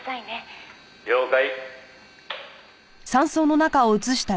「了解！」